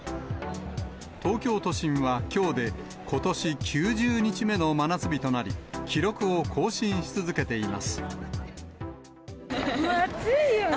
東京都心はきょうで、ことし９０日目の真夏日となり、記録を更新暑いよね。